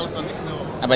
badan cyber nasional pak